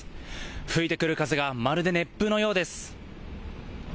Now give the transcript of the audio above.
吹いてくる風がまるで熱風のようです。